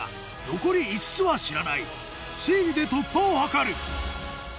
残り５つは知らない推理で突破を図る